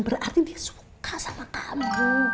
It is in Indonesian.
berarti dia suka sama kamu